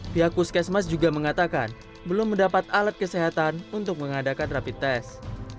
pihak puskesmas juga mengatakan belum mendapat alat kesehatan untuk mengadakan rapid test